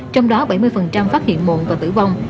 trong đó bảy mươi phát hiện muộn và tử vong